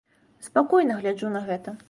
Спакойна гляджу на гэта.